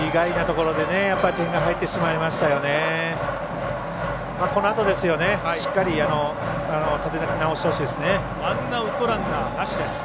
このあとですよね、しっかり立て直してほしいですね。